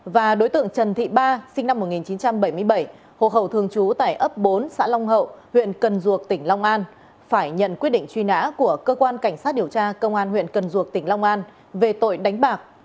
và đối tượng trần thị ba sinh năm một nghìn chín trăm bảy mươi bảy hộ khẩu thường trú tại ấp bốn xã long hậu huyện cần duộc tỉnh long an phải nhận quyết định truy nã của cơ quan cảnh sát điều tra công an huyện cần duộc tỉnh long an về tội đánh bạc